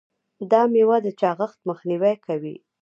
دا میوه د چاغښت مخنیوی کوي.